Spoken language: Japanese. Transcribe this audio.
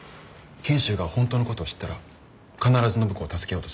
賢秀が本当のことを知ったら必ず暢子を助けようとする。